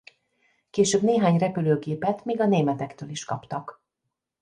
Később néhány repülőgépet még a németektől is kaptak.